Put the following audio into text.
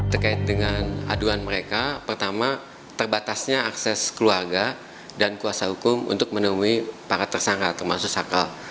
terkait dengan aduan mereka pertama terbatasnya akses keluarga dan kuasa hukum untuk menemui para tersangka termasuk sakal